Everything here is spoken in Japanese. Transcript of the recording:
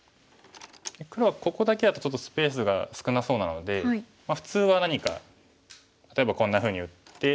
黒はここだけだとちょっとスペースが少なそうなので普通は何か例えばこんなふうに打って。